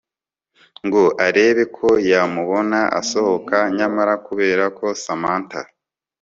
ngo arebe ko yamubona asohoka nyamara kubera ko Samantha